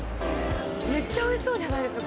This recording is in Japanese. めっちゃおいしそうじゃないですか？